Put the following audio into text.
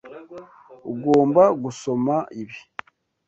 Ugomba gusoma ibi.